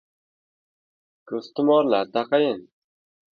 Ko‘ztumorlar taqayin.